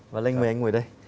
và lênh mời anh ngồi đây